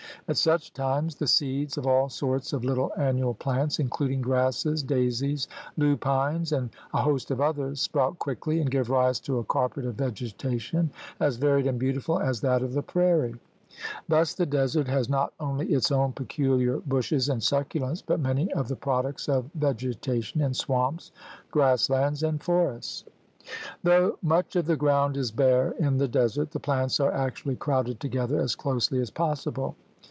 At such times the seeds of all sorts of little annual plants, including grasses, daisies, lupines, and a host of others, sprout quickly, and give rise to a carpet of vegetation as varied and beautiful as that of the prairie. Thus the desert has not only its own peculiar bushes and succulents but many of the products of vegetation in swamps, grass lands, and forests. 116 THE RED MAN'S CONTINENT Though much of the ground is bare in the desert, the plants are actually crowded together as closely as possible.